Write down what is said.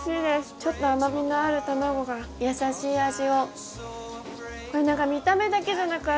ちょっと甘みのある卵がやさしい味を。